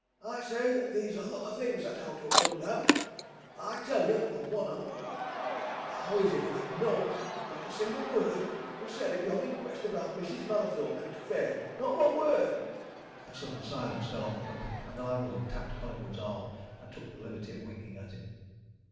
I say 'at theer's a lot o' things 'at owt to ha' comed out. I'll tell ye one on 'em how is it 'at nowt not a single word wor said at yon inquest about Mrs. Mallathorpe and t' affair? Not one word!" A sudden silence fell on the company, and the landlord tapped Collingwood's arm and took the liberty of winking at him.